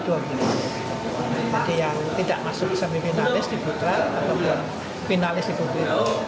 jadi yang tidak masuk bisa meminalis di butra atau finalis di butra